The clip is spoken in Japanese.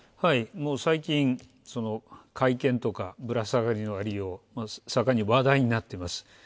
最近、会見とかぶら下がり、盛んに話題になってます。